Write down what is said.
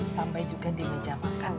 sampai juga di meja makan